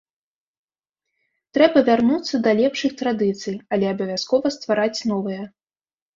Трэба вярнуцца да лепшых традыцый, але абавязкова ствараць новыя.